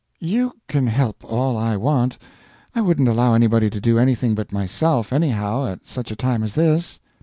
"You can help me all I want. I wouldn't allow anybody to do anything but myself, anyhow, at such a time as this."